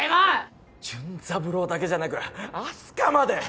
純三郎だけじゃなく明日香まで。